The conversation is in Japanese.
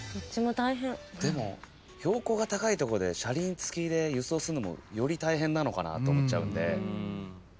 でも標高が高いとこで車輪付きで輸送すんのもより大変なのかなと思っちゃうんで。